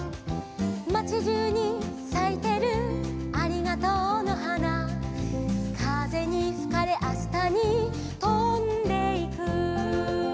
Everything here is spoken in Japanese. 「まちじゅうにさいてるありがとうのはな」「かぜにふかれあしたにとんでいく」